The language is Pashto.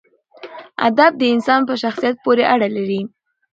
ادب د انسان په شخصیت پورې اړه لري.